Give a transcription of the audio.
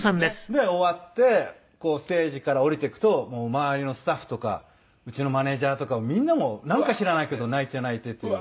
で終わってステージから下りていくと周りのスタッフとかうちのマネジャーとかみんなもなんか知らないけど泣いて泣いてという。